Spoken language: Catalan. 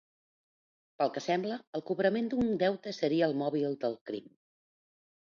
Pel que sembla, el cobrament d'un deute seria el mòbil del crim.